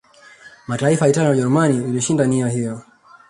Mataifa ya Italia na Ujerumani vilishinda nia hiyo